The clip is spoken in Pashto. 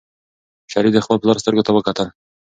شریف د خپل پلار سترګو ته وکتل.